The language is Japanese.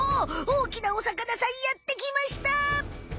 おおきなおさかなさんやってきました！